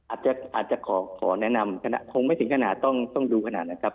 อาจจะขอแนะนำคงไม่ถึงขนาดต้องดูขนาดนั้นครับ